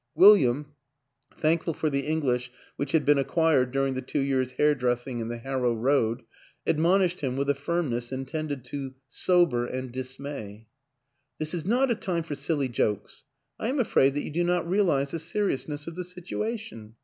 William, thankful for the English which had been acquired during the two years' hairdressing in the Harrow Road, ad monished him with a firmness intended to sober and dismay. " This is not a time for silly jokes. I am afraid that you do not realize the seriousness of the situation.